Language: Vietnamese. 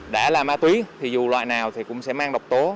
đã là ma túy thì dù loại nào cũng sẽ mang